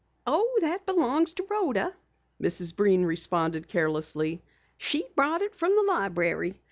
"Oh, that belongs to Rhoda," Mrs. Breen responded carelessly. "She brought it from the library.